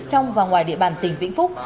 trong và ngoài địa bàn tỉnh vĩnh phúc